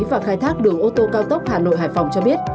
và khai thác đường ô tô cao tốc hà nội hải phòng cho biết